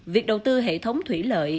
việc đầu tư hệ thống thủy lợi